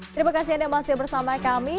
terima kasih anda masih bersama kami